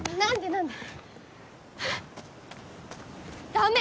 ダメ！